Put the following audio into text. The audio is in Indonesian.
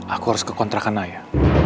aku harus ke kontrakan ayah